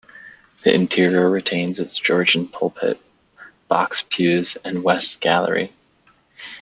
The interior retains its Georgian pulpit, box pews and west gallery.